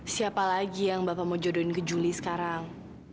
siapa lagi yang bapak mau jodohin ke juli sekarang